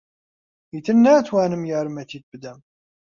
ئیتر ناتوانم یارمەتیت بدەم.